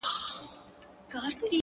خير دی ـ زه داسي یم ـ چي داسي نه وم ـ